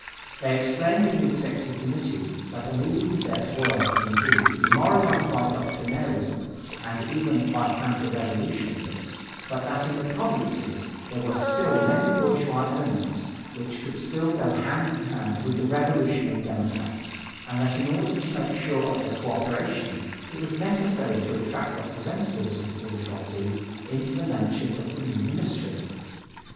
They explained in the Executive Committee that the leading Cadets were, indeed, demoralized by doctrinairism and even by counter revolutionism, but that in the provinces there were still many bourgeois elements which could still go hand in hand with the revolutionary democrats, and that in order to make sure of their co operation it was necessary to attract representatives of the bourgeoisie into the membership of the new ministry.